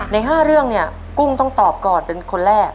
ใน๕เรื่องเนี่ยกุ้งต้องตอบก่อนเป็นคนแรก